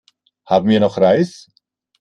Haben wir noch Reis?